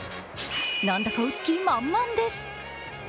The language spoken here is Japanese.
なんだか打つ気満々です。